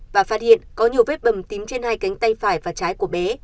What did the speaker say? và phát hiện có nhiều vết bầm tím trên hai cánh tay phải và trái của bé